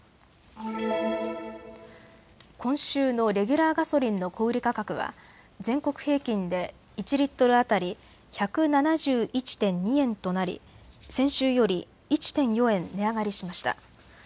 今週のレギュラーガソリンの小売価格は全国平均で１リットル当たり１７１．２円となり先週より１．４円値上がりしました。